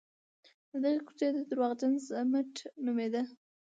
د دغې کوڅې درواغجن ضمټ نومېده.